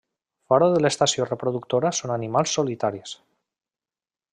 Fora de l'estació reproductora són animals solitaris.